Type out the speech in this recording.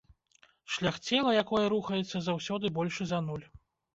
Шлях цела, якое рухаецца, заўсёды большы за нуль.